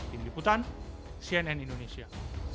pindiputan cnn indonesia